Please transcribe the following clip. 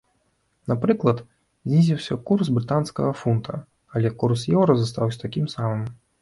Напрыклад, знізіўся курс брытанскага фунта, але курс еўра застаўся такім самым.